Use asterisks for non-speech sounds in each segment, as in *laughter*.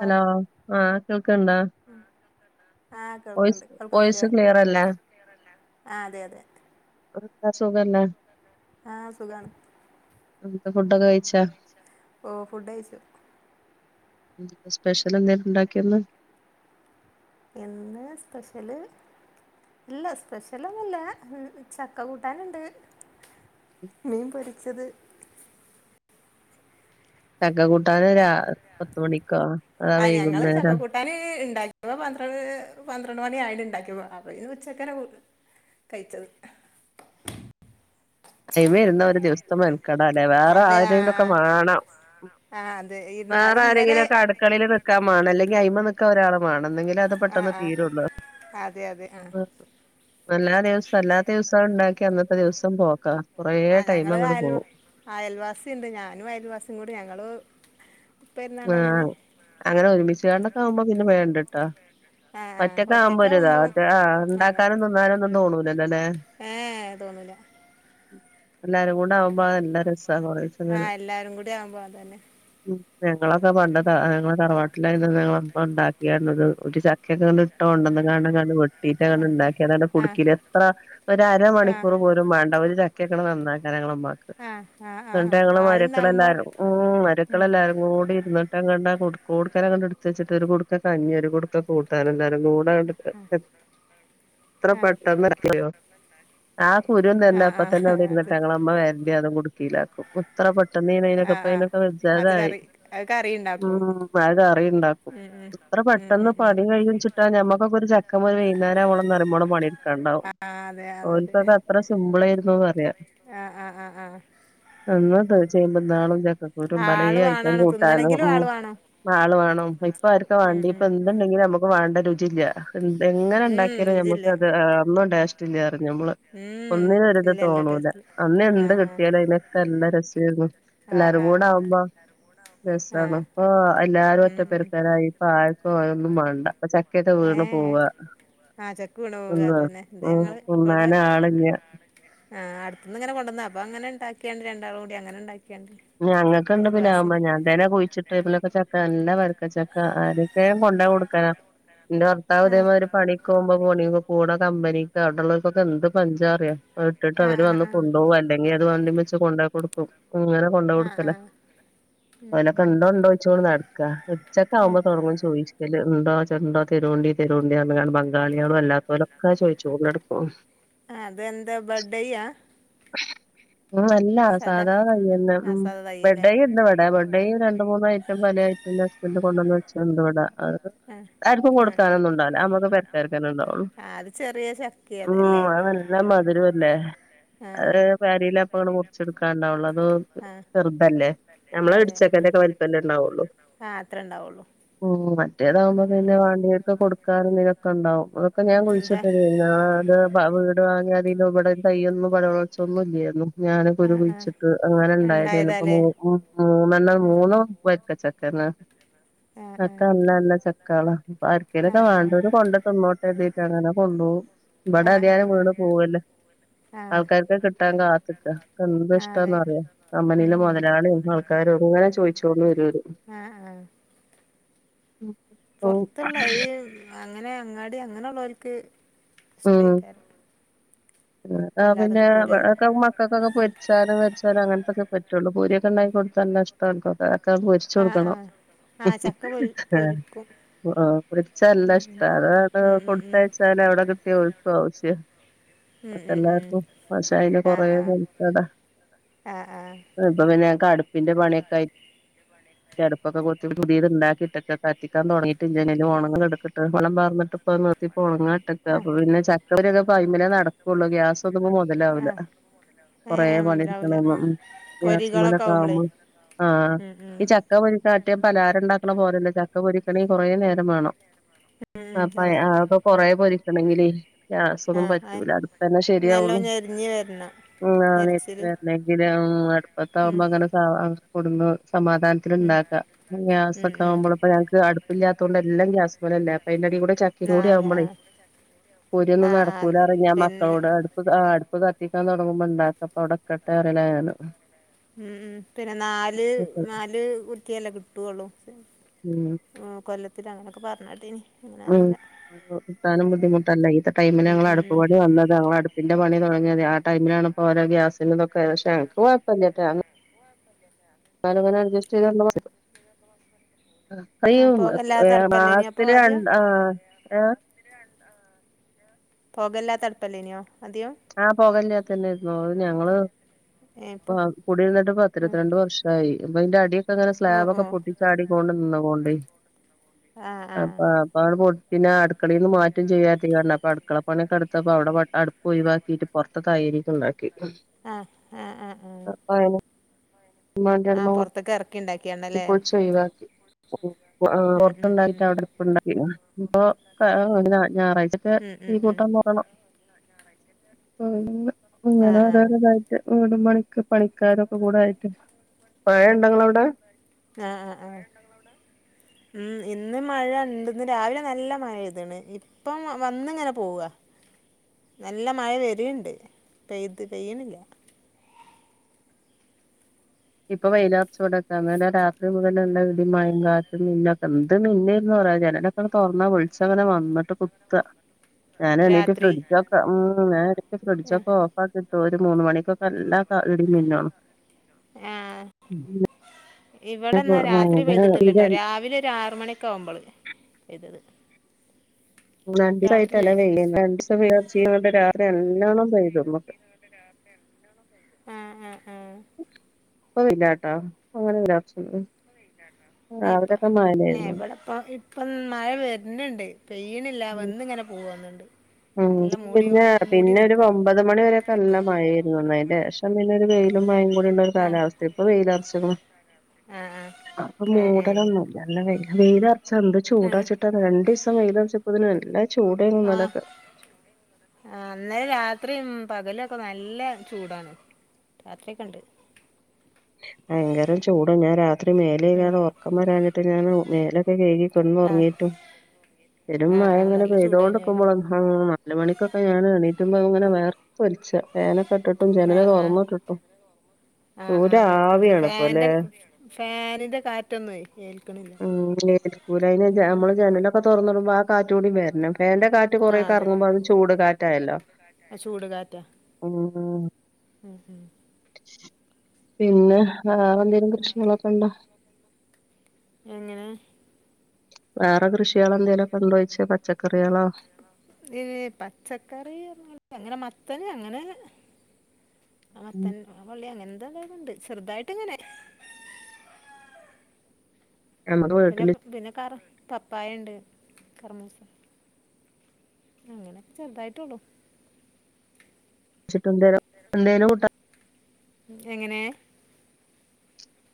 Hello ആ കേൾക്ക്ണ്ടാ ആ വോയിസ് വോയിസ്‌ ക്ലിയർ അല്ലേ ആഹ് അതെ അതെ വേറെന്താ സുഖല്ലേ ആഹ് സുഖാണ് എന്നിട്ട് ഫുഡൊക്കെ കഴിച്ചാ ഓഹ് ഫുഡ് കയ്ച്ചു സ്പെഷ്യൽ എന്തേ ഉണ്ടാക്കിയോന്ന് ഇന്ന് സ്പെഷ്യല് ഇല്ല സ്പെഷ്യലൊന്നുല്ല ചക്ക കൂട്ടാന്ണ്ട് മീൻ പൊരിച്ചത് ചക്ക കൂട്ടാന് രാ പത്തുമണിക്കോ അതാ വൈകുന്നേരോ? കൂട്ടാന് ഇണ്ടാക്കിയേപ്പം പന്ത്രണ്ട് പന്ത്രണ്ട് മണി ആയിന് ഇണ്ടാക്ക്യപ്പം അപ്പഞ് ഉച്ചക്കന്നെ കൂ കഴിച്ചത്. അയിമെര്ന്ന ഒരു ദിവസത്തെ മെൻക്കടാല്ലേ? അതെ ആ വേറാരെങ്കിലൊക്കെ മാണം ഉം.. ആ ആ അതെ ഇന്ന് അത് വേറെ ഇന്നലെ ആരെങ്കിലൊക്കെ അടുക്കളീല് നിക്കാൻ മാണം അല്ലെങ്കി അയിമ്മെ നിക്കാ ഒരാള് വാണം. ഇന്നെങ്കിലെ അത് ആ പെട്ടന്ന് ആ തീരൊള്ളൂ. അതെ അതെ ആഹ് വല്ലാ ദിവസം അല്ലാത്ത ദിവസം ഉണ്ടാക്കി അന്നത്തെ ദിവസം പോക്കാ കൊറേ ടൈം അങ്ങട് പോവും. അയൽവാസി ണ്ട്. ഞാനും അയൽവാസിം കൂടി ഞങ്ങള് പെരുന്നാണ്ട് അങ്ങനെ ആഹ് അങ്ങനെ ഒരുമിച്ച് കാണ്ടൊക്കെ ആവുമ്പം പിന്നെ വേ ഇണ്ട്ട്ടാ. ആഹ് ആഹ് ഒറ്റക്കാവുമ്പൊരുതാ ഒറ്റക്കാവുമ്പം മറ്റേ ആ് ഇണ്ടാക്കാനും ത് ന്നാനൊന്നും തോണൂലല്ലല്ലേ ഏയ് തോന്നൂല എല്ലാരും കൂടാവുമ്പ അഹ് നല്ല രസാ കുറേച്ചങ്ങനെ. ആഹ് എല്ലാരും കൂടിയാവുമ്പൊ അതന്നെ. ഞങ്ങളൊക്കെ പണ്ടക്കെ ഞങ്ങളെ തറവാട്ടിലായന്ന് ഞങ്ങളെമ്മ ഇണ്ടാക്കിയാണ്ട് ഒരു ചക്കയെക്കെങ്ങ്ട്ട് ഇട്ട് കൊണ്ടെന്ന്ങ്ങാണ്ട് വെട്ടിട്ടാണ്ട്ങ്ങണ്ട് ഇണ്ടാക്കിയാണ്ട് ആണ്ട് ആഹ് കുടിക്കില് എത്ര ആൾ ഒരര ആഹ് മണിക്കൂർ പോലും മാണ്ട ഒരു ചക്കക്കെണ്ട് നന്നാക്കാൻ ഞങ്ങളമ്മാക്ക്. ആഹ് ആഹ് ആഹ് എന്നട്ട് ആഹ് ഞങ്ങള് ആളുണ്ടാവുമ്പോ മര്യെക്കളെല്ലാരും ഉം ഉം മര്യെക്കളെല്ലാരും ക്കൂടിരിന്ന്ട്ടങ്ങട്ട് ആ കുടുക്കോട്ക്കനങ്ങട്ട് ഇട്‌ത്തച്ച്ട്ട് ഒരു കൊടുക്ക കഞ്ഞിം, ഒരു കുടുക്ക കൂട്ടാനും, എല്ലാരും കൂടി ഇതായോണ്ട് പെട്ടെ എത്ര ആഹ് പെട്ടെന്നാ *unintelligible* ആ കുരും തന്നെ ആഹ് ആഹ് അപ്പതന്നെ അത് അവിടെരുന്നിട്ട് ഞങ്ങളെമ്മ വര്ണ്ടിയതും കുടുക്കിയിലാക്കും എത്ര പെട്ടെന്നേനീയൊക്കെ ഇപ്പയിനൊക്കെ വെജ്ജാതായി അത്കറിണ്ടൊ ഉം അഹ് കറിണ്ടാക്കും. ഇത്ര ഉം പെട്ടെന്ന് ഉം ഉം പണി കയ്യുംച് ത്ത ഞമ്മക്കക്കൊരു ചക്കമ്മല് വൈന്നേരവോണംന്നറിയുമ്പോളം പണിട്ക്കെണം കാണ്ടാവും. ആഹ് അതെ അതതെ ഓൽക്കത് അത്ര സിമ്പിളേര്ന്നൂ പറയാ. ആഹ് ആഹ് ആഹ് എല്ലും കജ്ജും അയ്ന് *unintelligible* ചക്കക്കുരും പലേ ആള് ഐറ്റം വാണാണും കൂട്ടാനും തിന്നണെങ്കിലും ആള് വാണം ഉം ആള് വാണം ഇപ്പ ആർക്കാ ഉം വാണ്ട്യേ, ഇപ്പൊ ഉം എന്തുണ്ടെങ്കിലും നമുക്ക് വാണ്ട രുചില്ല. *unintelligible* എങ്ങനെ ഉം ഇണ്ടാക്കിയാലും ഇതില്ല ഞമ്മക്ക് അത് ആഹ് ഒന്നും ടേസ്റ്റില്ലാ പറ്യും ഞമ്മള്. ഉം ഒന്നിനോരിത് ഇല്ല ഇല്ല തോണൂല ടേസ്റ്റ് അന്ന് എന്ത് ആഹ് കിട്ടിയാലും അയിനെ ഒക്കല്ല രസേന്നു ആഹ് എല്ലാരും ആഹ് കൂട ആഹ് ആവുമ്പ. ആഹ് രസാണ് ആഹ് ഇപ്പോ എല്ലാരും ഉം ഉം ഒറ്റപ്പെരക്കാരായി ഇപ്പ ആര്ക്കും അഒന്നും മാണ്ട. ഇപ്പ ചക്കക്കെ വീണ് ഏഹ് പോവാ. ആഹ് ചക്ക് വീണ് പോവാ തിന്നാ അതന്നെ. ഇത് ഉം ഞങ്ങള് വടെ തിന്നാന് ആളില്ല ആഹ് അടുത്ത്ന്ന് ഇങ്ങനെ കൊണ്ടന്ന് അപ്പ അങ്ങനെ ഇണ്ടാക്ക്യാണ്ട് രണ്ടാളും കൂടി അങ്ങനെ ഇണ്ടാക്ക്യാണ്ട്. ഞങ്ങക്ക്ണ്ട് പിലാഹ്മ്മെ ഞാ തന്നെ കുഴിച്ചിട്ടേമലൊക്കെ ചക്ക നല്ല വല് ക്കചക്ക ആരൊക്കെ കൊണ്ടോയി കൊടുക്കാനാ. ഇന്റെ ഭർത്താവ് ആഹ് ഇതേമായ്രി ഒരു പണിക്കോവുമ്പം *unintelligible* കൂടെ കമ്പനിക്ക അവിടെള്ളോർക്കൊക്കെന്ത് പഞ്ചാറിയോ? ആഹ് ഇട്ടിട്ടവര് ആഹ് വന്ന് ആഹ് കൊണ്ടോവും ടങ്കി അത് വണ്ടിമെച്ച് കൊണ്ടോയി കൊടുക്കും ഇങ്ങനെ കൊണ്ടോയി ആഹ് കൊടുക്കലാ. ആഹ് ഉം ഓലൊക്കെ ഉം ഇണ്ടോ, ഇണ്ടോയ്ച്ച്ങ്ങോണ്ട് നട്ക്കാ ഉം ഇടിച്ചക്കാവുമ്പോ തൊടങ്ങും ചോയി *unintelligible* ഇണ്ടോ ചെണ്ടോ തെരോണ്ടി. തരോണ്ടി പർഞ്കാണ്ട് ബംഗാള്യേളും അല്ലാത്തോലൊക്കെ അത് ചോയിച്ചുകോണ്ടട്ക്കും. അതെന്താ ബഡ്ഡെയ്യാ? ഉം അല്ല സാദാ സാധാ തയ്യെന്നെ ആഹ് ഉം സാദാ തയ്യല്ലേ ബസ്സയ് ഇണ്ടിവടെ ബഡ്ഡയ് ഒര ണ്ട് മൂന്ന് ഐറ്റം പല ഐറ്റം ഇൻ്റെ ഹസ്ബൻഡ് കൊണ്ടന്നു വച്ചത്ണ്ട് ഇവടെ. ആഹ് ആർക്കും ആഹ് ആഹ് കൊടുക്കാനൊന്നും ഉണ്ടാവൂല്ല അത് ഞമ്മക്ക് പെരക്കാർക്കെന്നെ ഇണ്ടാവുള്ളു. ആഹ് അത് ചെറിയ ചക്കയാ ഉം അതല്ലേ അത് നല്ല മധുരു അല്ലേ? ആഹ് അഹ് ആഹ് പേരീലപ്പങ്ങട്ട് മുറിച്ച്ട്ക്കാണ്ടാവൊള്ളൂ അത് ആഹ് ചെർതല്ലേ ഞമ്മളെ അതെ ഇടിച്ചക്കന്റൊക്കെ വൽപ്പല്ലെ ണ്ടാവുള്ളു. ആഹ് അത്ര ഉണ്ടാവുള്ളൂ ഉം മറ്റേതാവുമ്പം ഉം ഉം പിന്നെ വാണ്ട്യോര്ക്ക് കൊടുക്കാനും തിനൊക്കെണ്ടാവും. അതൊക്കെ ഞാൻ ഉം ഇതാ കുഴിച്ചിട്ടതേനി. ഞാ അത് വീട് വാങ്ങിയ അതിനു ഇബടെ ഒര് തയ്യൊന്നും *unintelligible* ച്ചൊന്നുല്ല്യേന്നു ഞാന് കുരു ആഹ് ആഹ് കുയ്ച്ചിട്ട് അങ്ങനെ ഇണ്ടായതേന് ഇപ്പ ഉണ്ടായതാല്ലേ മൂ മു മൂന്നെണ്ണം മൂന്നും വരിക്കച്ചക്കല്ലെ ആഹ് ചക്ക ആഹ് നല്ല നല്ല ചക്കേളാ അപ്പൊ ആരിക്കേലൊക്കെ ആഹ് ആഹ് വേണ്ടവര് കൊണ്ട തിന്നോട്ടെ അങ്ങനെ കൊണ്ടോവും ആഹ് വിടെ ആഹ് ആഹ് *unintelligible* വീണ് ആഹ് പോവല്ലോ ആഹ് ആൾക്കാർക്ക് കിട്ടാൻ കാത്തിക്ക എന്ത്‌ ആഹ് അതെ ഇഷ്ടന്നറിയോ ഉം ലെ ഉം മുതലാളീം ആൾക്കാരും ഇങ്ങനെ ചോദിച്ചോണ്ട് വരു ആഹ് ആഹ് ഓ പുറത്തുള്ള ഈ അങ്ങനെ അങ്ങാടി അങ്ങനെള്ളവര്ക്ക് ഇഷ്ടേയ്ക്കാരു അഹ് പിന്ന കിട്ടൂലല്ലോ *unintelligible* ക്കൊക്കെ പൊരിചാല വച്ചാലും അങ്ങനത്തൊക്കെ പറ്റുള്ളൂ പൂരിയൊക്കെണ്ടാക്കി കൊടുത്ത നല്ല ഇഷ്ട ഇവർക്കൊക്കെ *unintelligible* ആഹ് പൊരിച്ചോടുക്കണം ആഹ് ആഹ് ചക്ക പൊരു പൊരിക്കും ആഹ് പൊരിച്ച ല്ല ഉം ഇഷ്ട അതാട ഉം ഉം ഉം കൊടുത്തയച്ചാല് അവിടെ കിട്ടിയ *unintelligible* ഉം ഉം ഉം ഉം മറ്റെക്കെല്ലാർക്കും മശായല് കൊറെ ആഹ് ആഹ് *unintelligible* ആഹ് ആഹ് ഇപ്പ പിന്നെഞങ്ങക്കടുപ്പിന്റെ പണിയൊക്കെയി അടുപ്പൊക്കെ കൊത്തി പുതിത് ഇണ്ടാക്കിട്ടൊക്കെ എത്തിക്കാൻ തുടങ്ങിട്ടില്ല ഉണങ്ങൾ എടുത്തിട്ട് വെള്ളം പാർന്നിട്ട് ഇപ്പൊ *unintelligible* ഒണങ്ങാൻ ഇട്ടേ അപ്പൊ ആഹ് പിന്നെ ചക്കവരൊക്കെ അയിമ്മലെ നടക്കുവുള്ളൂ ഗ്യാസ് ഒന്നുപ്പൊ മൊതലാവൂല്ല ആഹ് കൊറെ ഏഹ് മുതലാവൂല പണിയെടുക്കണം പൊരികളൊക്കെ ഗ്യാസ്മ്മലൊക്കെ ആവുമ്പളേ ആവുമ്പോ ആഹ് ഉം ഉം ഈ ചാ ചക്ക പൊരിക്ക മറ്റേ പലാരം ഉണ്ടാക്കണ പോലല്ല ചക്ക പൊരിക്കണെ കൊറെ നേരം വേണം ഉം ഉം ആപ്പ അതെ ആക്കൊ കൊറ പൊരി അല്ലെങ്കിലേ ഗ്യാസൊന്നും ആഹ് ആഹ് പറ്റൂല അടുപ്പ ന്നെ ശരി നല്ലോം ഞ്ഞെരിഞ്ഞ് വരണം ഉം ഞെരിച്ചില് *unintelligible* ഉം അടുപ്പത്താവുമ്പോ *unintelligible* ഉം സമാധാനത്തിലിണ്ടാക്കാക്കെ ഉം ഗ്യാസൊക്കാ ഉം വുമ്പോ ഞങ്ങക്ക് അടു ഇല്ലാതോണ്ട് എല്ലം ഗ്യാസ്മലല്ലെ അപ്പൊ അതിന്റെ അടി കൂടെ ആഹ് ചക്കിംകൂടെ ആകു അതെ മ്പളേ ആഹ് പൊരിയൊന്നും ആഹ് ആഹ് അതെ നടക്കൂലറിയും ഞാ പിന്നെ മക്കളോട് അടു ആഹ് അടുപ്പ് കത്തിക്കാൻ തൊടങ്ങുമ്പോ ഇണ്ടാക്കപ്പ അവിടക്കട്ടെ *unintelligible* ഉം ഉം പിന്നെ നാല് നാല് കുറ്റിയല്ലേ കിട്ടുവുള്ളു ഉം ആഹ് കൊല്ലത്തിലങ്ങനൊക്കെ പറഞ്ഞാട്ടി നി ഉം കിട്ടാനും ബുദ്ധിമുട്ടല്ലെ ഈത്തെ ടൈമിന് ഉം ഞങ്ങളെ ഉം ഉം അടുപ്പുപണി വന്നത് ഞങ്ങള അതിന്റെ പണി തുടങ്ങിയത് ആ ടൈമിലാണിപ്പോ ഓരോ ഗ്യാസിന്റെ തൊക്കെ പക്ഷെ എനക്ക് കുഴപ്പല്ലട്ടാ കാലങ്ങനെ അഡ്ജസ്റ്റ് ചെയ്ത *unintelligible* ആഹ് ആ അയ്യോ പോകല്ലാത്ത അടുപ്പല്ലേനിയോ *unintelligible* രണ്ട് അഹ് *unintelligible* *inaudible* പോകല്ലാത്തടുപ്പല്ലേനുയോ അദ്യോ?? ആഹ് പൊകല്ലാത്ത തന്നെയെരുന്നു അത് ഞങ്ങള് ഏ ഇപ്പൊ കുടി ഇരുന്നിട്ട് ആ പത്തിരുപത്തി രണ്ട് വർഷായി അപ്പൊ അതിന്റെ അടി ങ്ങനെ ഓ ഓ സ്ലാബക്കെ പൊട്ടിച്ചാടിക്കൊണ്ട് നിന്ന പോണ്ട് ആ ആ അപ്പ അപ്പാ പോ പിന്നെ അടുക്കളയി നിന്ന് മാറ്റും ചെയ്യാത്തതണ്ട് അപ്പ അടുക്കള പണി *unintelligible* *unintelligible* അപ്പ അവിടെ അടുപ്പ് ഒഴിവാക്കിട്ട് പുറത്ത തയരിക്ക ഉണ്ടാക്കി ആഹ് ആഹ് ആഹ് *unintelligible* ഇതൊക്കെ ഇറക്കി ഉണ്ടാക്കിയാ ഇപ്പോൾ *unintelligible* ഒഴിവാക്കി ആഹ് ഉം ഉം ഉം പുറത്തുണ്ടായിട്ട് അവിടെ ണ്ടാക്കി ഇപ്പൊ ഞായറാഴ്ചക്ക ഉം ഉം ഈ ഉം കൂട്ടംന്ന് വേണം *unintelligible* ആ ഇങ്ങനെ ആ *unintelligible* ഓട് പണിക്ക് പണിക്കാര ഒക്കെ കൂടായിട്ട് മഴയുണ്ടൊ നിങ്ങടെ അവിടെ? ആഹ് ആഹ് ഉം ഇന്ന് മഴ ഇണ്ടന്ന് രാവിലെ നല്ല മഴപെയ്ത്ന് ഇപ്പം വന്നിങ്ങനെ പോവാ നല്ല മഴ വരേണ്ട് പെയ്ത് പെയ്യണില്ല ഇപ്പൊ വെയ്ലാപ്പ്ച്ചോടൊക്കെ ഇന്നലെ രാത്രി മുതല ഉള്ള ഇടി മഴേ കാറ്റും മിന്ന ഒക്കെ എന്ത് മിന്നന്ന് പറയാ ജനലൊക്ക് അ തൊറന്നാ വിളിച്ചങ്ങനെ വന്നിട്ട് കുത്താ ഞാന എണീട്ട് രാത്രി ഫ്രഡിച്ചോക്കെ ഉം ഞാൻ എണീട്ട് ഫ്രഡിച്ചൊക്കൊ ഇപ്പ കിട്ടും ഒരു മൂന്ന് മണിക്കൊക്കെ നല്ലാം ഇടി മിന്നോ ഏഹ് *unintelligible* ഇവിടെന്നാ രാത്രി പെയ്തിട്ടില്ലട്ടോ ഭയങ്കര രാവിലെ ഒരു ആറ് മണി ക്ക ആകുമ്പോൾ പെയ്തത് രണ്ട് ദിവസായിട്ട്ല്ല രാത്രിയിലേനി വെയിലാ രണ്ട് ദിവസംർച്ച ചെയണ്ട് രാത്രി നല്ലോണ്ണം പെയ്തു നമുക്ക് *unintelligible* ആ ആ ആ അ ഇല്ലാട്ടാ അ *unintelligible* എ ഇപ്പ ഏ എവിടെ പ്പ് അപ്പ ഇപ്പം മഴ വരുന്നുണ്ട് പെയ്യണില്ല വന്ന് ഇങ്ങനെ പോവാന്നുണ്ട് ഉം പിന്നെ പിന്നെ ഒരു ഒമ്പത് മണിവരെയൊക്കെല്ല മഴയായിരുന്നു അതിന്റെ യേഷം പിന്നെ ഒരു വെയിലും മഴയും കൂടി ഉള്ള ഒരു ആ കാലാവസ്ഥ ഇപ്പൊ വെയിലറച്ചൂന് ആ ആ അപ്പൊ ആ ഏ മൂടലൊന്നുംല്ല നല്ല വെയില വെയില അറച്ച എന്ത് ആ ചൂടാ ചിട്ടാ രണ്ട് ഇസ വെയിലരിച്ചപോത്തിന് നല്ല ചുടയിനു ആ ഇന്നലൊക്കെ ആ ഇന്നലെ രാത്രിയും പകലൊക്കെ നല്ല ചൂടാണ് രാത്രിയക്കെണ്ട് ഭയങ്കര ചൂടും ഞാൻ രാത്രി ഉം. മേലെെകെകാദെ ഒറക്കവെരാഞ്ഞിട്ട് ഞൻ മേലക് കഴികി കിടന്നു ആ ഉറങ്ങിട്ടും പെരും ആ മഴ ആ അങ്ങനെ നല്ല പെയ്തോണ്ട് ചൂടായിരുന്നു ഞാൻ ഇക്കുമ്പോഴ് ആഹ് നാല് മണിക്കൊക്കെ ഞൻ എണീറ്റുമ്പോ ഞൻ വേർ തൊലിച്ചാ ഫാനൊക്കെ ഇട്ടിട്ട് ടും ആ ജനല് ആ തുറന്നിട്ടിട്ടും ആഹ് ആ് വേർത്ത്ലൊച്ച് ചൂരാവിയാണ് ഇപ്പല്ലേ ഫാന്റെ ഫാനിന്റെ കാറ്റൊന്നും ഏൽക്കണില്ല ഇരിക്കൂല അതിന് ഉം ഉം നമ്മള് ജനല ഒക്കെ തുറന്നുടുമ്പോ ആ കാറ്റ് കൂടി വരണം ഫാന്റെ കാറ്റ് ട്ട് കൊറേ ആഹ് അതെ ക്കറങ്ങുമ്പോ അത് ചൂട് കാറ്റയാല്ലോ ചൂട് കാറ്റാ ഉം ഉം ഉം പിന്നെ വേറെ എന്തെേങ്കിലും പ്രശ്നങ്ങളൊക്കെ ഉണ്ടോ എങ്ങനെ വേറെ കൃഷികള എന്തെേലുംക്കെ ഇണ്ടോ ചോയിച്ച പച്ചക്കറികളോ എ പച്ചക്കറി അങ്ങനെ മത്തൻ അങ്ങനെ അ ഉം. മത്തൻ പള്ളി അങ്ങന *unintelligible* ചെറുതായിട്ട് ഇങ്ങനെ നമ്മുക്ക് പിന്നെ വീട്ടില് പിന്നെ കർ പപ്പായുണ്ട് കർമൂസ അങ്ങനെെ ചെറുതായിട്ടൊള്ളു *unintelligible* എൻതേലും കൂട്ട എങ്ങനെ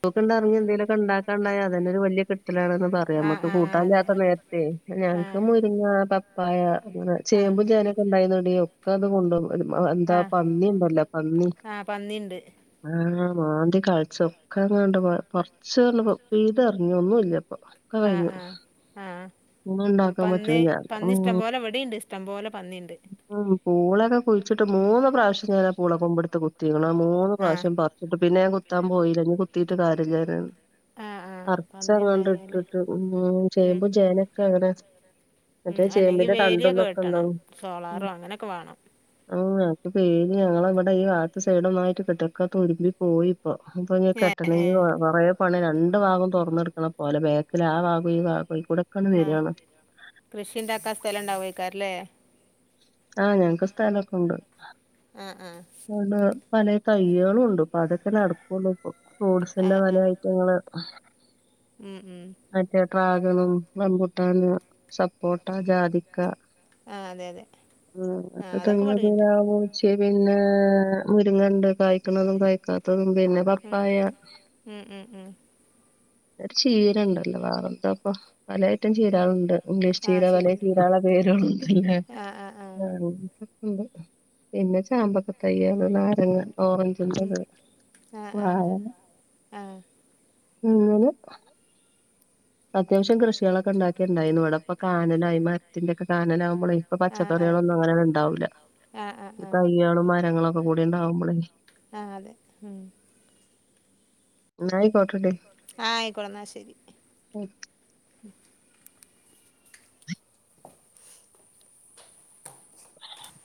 തൊടുക്കുണ്ടെറങ്ങിയാൽ എന്തേല കൊണ്ടാട്ടാണ്ടായ അതുതന്നെ ഒരു വലിയ കിട്ടലാണെന്ന് പറയാം ആഹ് നമുക്ക് ആഹ് ആഹ് അതെ കൂട്ടാനില്ലാത്ത ആഹ് നേരത്തെ ഞങ്ങക്ക് ആഹ് മു പിന്നെ പപ്പായ അങ്ങനെ ആഹ് ചേമ്പും ചേനക്കെ ഉണ്ടായത് കൊണ്ടേ ഒക്കെ തും കൊണ്ടു പോ ഒരു എന്താ ആഹ് പന്നിയുണ്ടല്ലോ പന്നി ആഹ് പന്നിണ്ട് ആഹ് മാന്തി *unintelligible* ഇക്കങ്ങാണ്ട് പോ കുറച്ച് പെയ്തിറങ്ങി ഒന്നുല്ലയിപ്പോ ആഹ് ആഹ് ആഹ് ഉണ്ടാക്കാൻ പന്നി പറ്റണില്ല പന്നി ഉം ഇഷ്ടംപോലെ ഇവിടെയുണ്ട് ഇഷ്ടംപോലെ പന്നിയുണ്ട് ഉം പൂളൊക്കെ കുഴിച്ചിട്ട് മൂന്ന് പ്രാവശ്യം നേരെ പൂള കൊമ്പെടുത്ത് കുത്തിക്കണെ ആ മൂന്ന് ആഹ് പ്രാവശ്യം പ എന്നിട്ട് പിന്നെ ഞാൻ കുത്താൻ പോയില്ല ഇനി കുത്തിയിട്ട് കാര്യല്ലന്ന് ആഹ് ആഹ് *unintelligible* പന്നി അങ്ങണ്ട് ഇണ്ടായാല് ഇട്ടിട്ട് ഉം ഉം ചേമ്പും ചേനക്കെ അങ്ങനെ ഉം മറ്റേ അല്ലെങ്കി ചേമ്പിന്റെ വേലിയൊക്കെ കെട്ടണം തണ്ടൊന്നൊക്കെണ്ടാവും ഉം സോളാറോ അങ്ങനൊക്കെ വാണം ആഹ് ഞങ്ങക്ക് പേടിയാ ഞങ്ങളവിടെ ഈ *unintelligible* സൈഡൊന്നായിട്ട് *unintelligible* പോയി ഇപ്പൊ ഇപ്പൊ ഏഹ് കെട്ടണങ്കി ഏഹ് വാ കുറെ പണി രണ്ട് വാവും തൊറന്നെടുക്കണ പോലെ ബാക്കിൽ ആ വാഗും ഈ വാഗും കൂടെ ആഹ് കൃഷിണ്ടാക്കാൻ. സ്ഥലയിണ്ടാ *unintelligible* ആഹ് ഞങ്ങൾക്ക് സ്ഥലക്കെയുണ്ട് ആഹ് ആഹ് *unintelligible* അതൊക്കെ നടക്കുള്ളൂ ഇപ്പം ഫ്രൂട്ട്‌സിൻ്റെ ആഹ് പല ആഹ് ഐറ്റങ്ങള് ഉം ഉം മറ്റേ ഡ്രാഗണും റംബൂട്ടാനും സപ്പോട്ട ജാതിക്ക ആഹ് അതെ അതെ *unintelligible* ആഹ് അതൊക്കെ ഇവടിണ്ട് പക്ഷേ പിന്നെ മുരിങ്ങയുണ്ട് കായ്ക്കണതും കായ്ക്കാത്തതും പിന്നെ ഉം പപ്പായ ഉം ഉം ഉം ചീരണ്ടല്ലോ വേറെന്തപ്പ പല ഐറ്റം ചീരകളുണ്ട് ഇംഗ്ലീഷ് ചീര ആഹ് വലിയ ശരിയാണ് ചീരകൾ പേരും *unintelligible* ആഹ് ആഹ് ആഹ് ഉണ്ട് പിന്നെ ചാമ്പക്ക തയ്യ് ഉണ്ട് നാരങ്ങ ഓറഞ്ച് ഉം *unintelligible* ആഹ് ആഹ് ആഹ് ആഹ് അങ്ങനെ അത്യാവശ്യം കൃഷികളക്കെയിണ്ടാക്കിണ്ടായിരുന്നു ഇവിടെയിപ്പ കാനാനായി മരത്തിന്റെക്കെ കാനനവമ്പോളേ ഇപ്പ ആഹ് അതെ പച്ചക്കറികളൊന്നും അങ്ങനെ ഉണ്ടാവൂല്ല ആഹ് ആഹ് ആഹ് തൈകളും മരങ്ങളൊക്കെ കൂടി ഉണ്ടാവുമ്പോളേ ആഹ് അതെ ഉം *unintelligible* ആയിക്കോളന്നാ ശരി *inaudible* *inaudible*